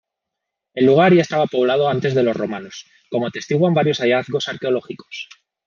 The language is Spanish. El lugar ya estaba poblado antes de los romanos, como atestiguan varios hallazgos arqueológicos.